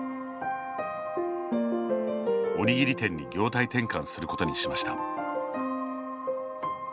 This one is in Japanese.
おにぎり店に業態転換することにしました。